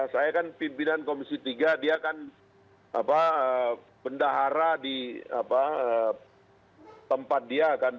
saya kan pimpinan komisi tiga dia kan bendahara di tempat dia kan